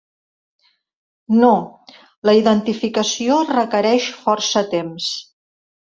No, la identificació requereix força temps.